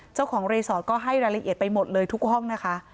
เจ้าของรีสอร์ทก็ให้รายละเอียดไปหมดเลยทุกห้องนะคะ